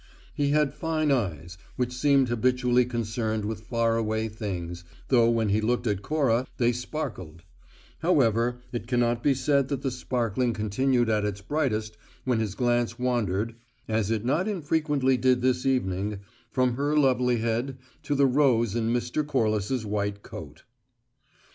He had fine eyes, which seemed habitually concerned with faraway things, though when he looked at Cora they sparkled; however, it cannot be said that the sparkling continued at its brightest when his glance wandered (as it not infrequently did this evening) from her lovely head to the rose in Mr. Corliss's white coat.